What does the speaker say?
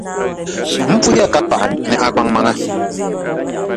M puhiya ka paɣi, ni a kpaŋmaŋa.